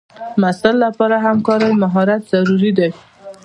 د محصل لپاره همکارۍ مهارت ضروري دی.